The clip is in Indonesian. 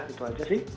itu saja sih